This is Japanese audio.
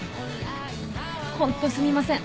ホントすみません。